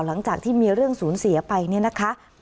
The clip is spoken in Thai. หลังจากที่มีเรื่องศูนย์เสียไปเนี่ยนะคะ